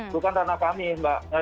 bukan ranah kami mbak